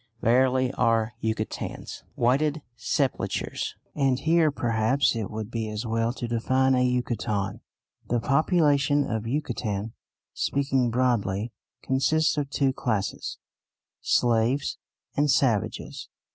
Verily are Yucatecans "Whited Sepulchres"! And here perhaps it would be as well to define a Yucatecan. The population of Yucatan, speaking broadly, consists of two classes, slaves and savages.